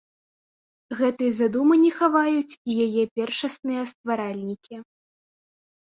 Гэтай задумы не хаваюць і яе першасныя стваральнікі.